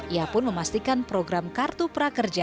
ia pun memastikan program kartu prakerja